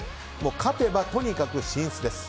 勝てば、とにかく進出です。